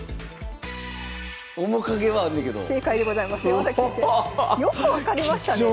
よく分かりましたね。